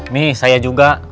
nih saya juga